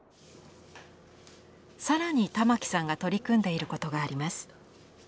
更に玉城さんが取り組んでいることがあります。